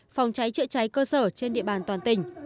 phòng cháy chữa cháy cơ sở trên địa bàn toàn tỉnh